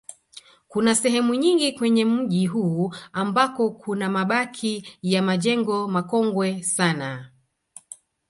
Kuna sehemu nyingi kwenye mji huu ambako kuna mabaki ya majengo makongwe sana